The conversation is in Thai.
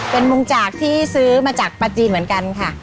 เป็นมุงจากที่ซื้อมาจากปลาจีนเหมือนกันค่ะ